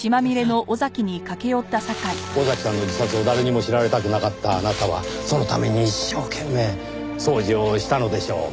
尾崎さんの自殺を誰にも知られたくなかったあなたはそのために一生懸命掃除をしたのでしょう。